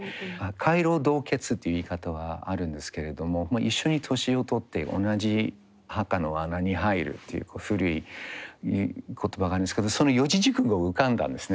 「偕老同穴」って言い方があるんですけれども一緒に年を取って同じ墓の穴に入るっていう古い言葉があるんですけどその四字熟語が浮かんだんですね。